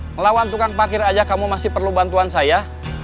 melawan tukang parkir aja kamu masih perlu bantuan saya